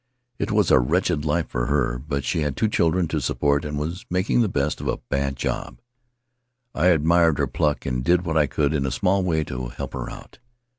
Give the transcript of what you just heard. It was a wretched life for her, but she had two children to support and was making the best of a bad job. I admired her pluck and did what I could in a small way to help her out.